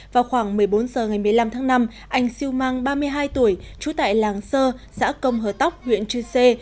vào khoảng một mươi bốn h ngày một mươi năm tháng năm anh siêu mang ba mươi hai tuổi trú tại làng sơ xã công hờ tóc huyện chư sê